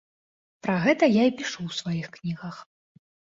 Пра гэта я і пішу ў сваіх кнігах.